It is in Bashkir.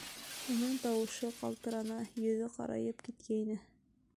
Уның тауышы ҡалтыраны, йөҙө ҡарайып киткәйне.